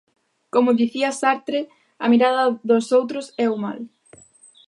Como dicía Sartre, a mirada dos outros é o mal.